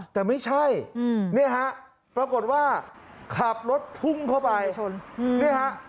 แต่ไม่ใช่นี่ฮะปรากฏว่าขับรถพุ่งเข้าไป